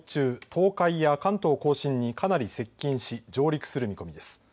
東海や関東甲信にかなり接近し上陸する見込みです。